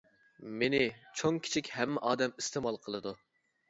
مېنى چوڭ-كىچىك ھەممە ئادەم ئىستېمال قىلىدۇ.